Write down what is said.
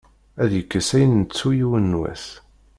Ad yekkes ayen nettu yiwen n wass.